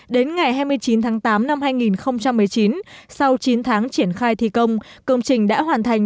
đến ngày hai mươi chín tháng tám năm hai nghìn một mươi chín sau chín tháng triển khai thi công công trình đã hoàn thành